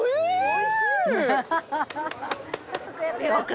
おいしい！